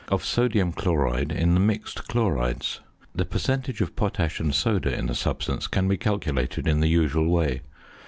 of sodium chloride in the mixed chlorides. The percentage of potash and soda in the substance can be calculated in the usual way.